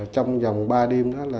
trong vòng ba đêm